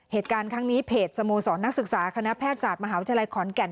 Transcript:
เหตุการณ์ครั้งนี้เพจสโมสรนักศึกษาคณะแพทยศาสตร์มหาวิทยาลัยขอนแก่น